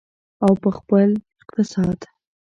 او په خپل اقتصاد.